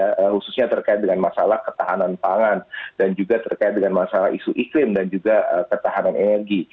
khususnya terkait dengan masalah ketahanan pangan dan juga terkait dengan masalah isu iklim dan juga ketahanan energi